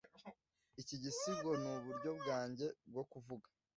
iki gisigo nuburyo bwanjye bwo kuvuga